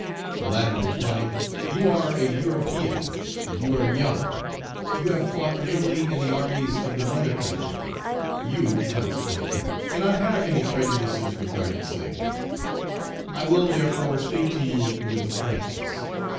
The latter replied, 'You are a European, and you are young; you have fought merely in the armies of the mother country; you, consequently, cannot have any prejudices regarding slavery. I will therefore speak to you with frankness.